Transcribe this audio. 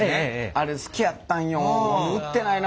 あれ好きやったんよ。